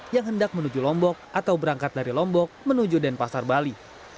yang hendak menuju lombok atau berangkat dari lombok menuju denpasar bali